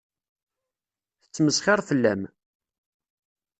Tettmesxiṛ fell-am.